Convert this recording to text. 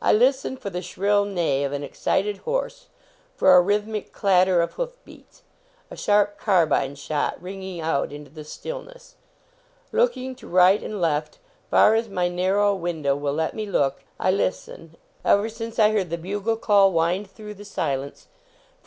I listen for the shrill neigh of an excited horse ; for a rhythmic clatter of hoof beats ; a sharp carbine shot ringing out into the stillness. Looking to right and left, far as my narrow window will let me look, I listen, ever since I heard the bugle call wind through the silence, for .